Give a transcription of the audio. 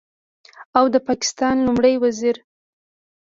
او د پاکستان لومړي وزیر